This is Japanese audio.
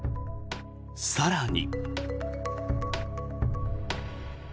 更に。